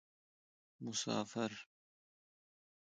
مسافر